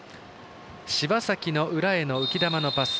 柴崎の裏への浮き球のパス。